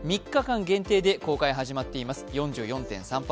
３日間限定で公開、始まっています。